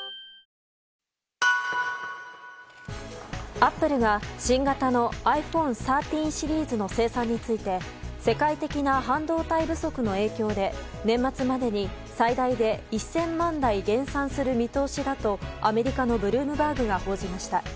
アップルが新型のｉＰｈｏｎｅ１３シリーズの生産について世界的な半導体不足の影響で年末までに最大で１０００万台減産する見通しだとアメリカのブルームバーグが報じました。